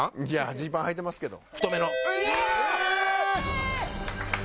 「ジーパンはいてますけど」。